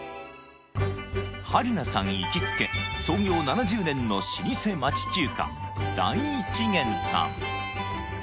春菜さん行きつけ創業７０年の老舗町中華代一元さん